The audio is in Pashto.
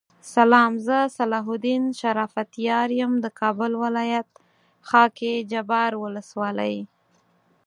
سلام زه صلاح الدین شرافت یار یم دکابل ولایت خاکحبار ولسوالی